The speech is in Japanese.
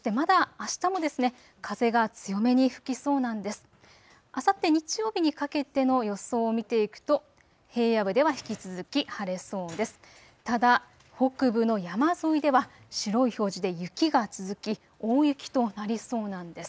あさって日曜日にかけての予想を見ていくと平野部では引き続き晴れそうです。